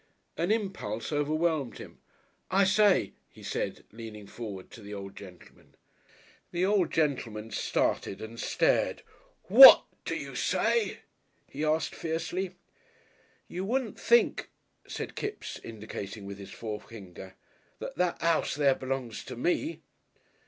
An impulse overwhelmed him. "I say," he said, leaning forward, to the old gentleman. The old gentleman started and stared. "Whad do you say?" he asked fiercely. "You wouldn't think," said Kipps, indicating with his forefinger, "that that 'ouse there belongs to me."